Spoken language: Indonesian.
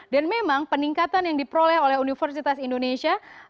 dan memang peningkatan yang diperoleh oleh universitas indonesia